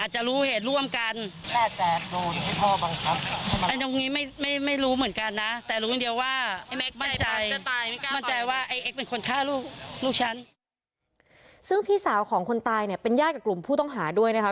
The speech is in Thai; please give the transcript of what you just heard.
ซึ่งพี่สาวของคนตายเนี่ยเป็นญาติกับกลุ่มผู้ต้องหาด้วยนะคะ